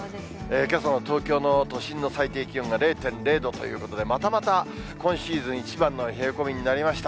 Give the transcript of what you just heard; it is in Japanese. けさの東京の都心の最低気温が０．０度ということで、またまた今シーズン一番の冷え込みになりました。